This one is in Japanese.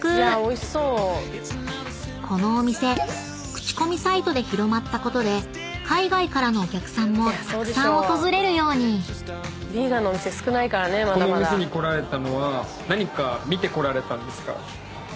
［このお店口コミサイトで広まったことで海外からのお客さんもたくさん訪れるように］出た！